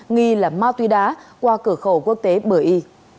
nghi là mao tuy đá qua cửa khẩu quốc tế bởi y